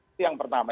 itu yang pertama